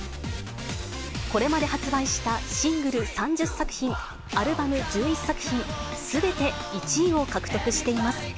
これまで発売したシングル３０作品、アルバム１１作品、すべて１位を獲得しています。